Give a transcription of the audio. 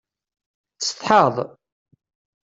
Tessetḥaḍ?